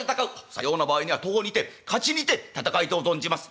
「さような場合には徒歩にて徒にて戦いとう存じます」。